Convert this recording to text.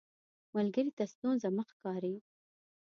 ملګری ته ستونزه مه ښکاري